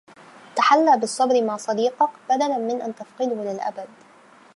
تحلّى بالصّبر مع صديقك بدلا من أن تفقده للأبد.